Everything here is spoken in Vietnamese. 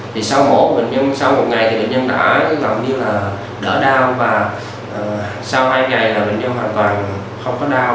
thì sau mổ bệnh nhân sau một ngày thì bệnh nhân đã gần như là đỡ đau và sau hai ngày rồi bệnh nhân hoàn toàn không có đau